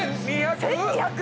１２００！？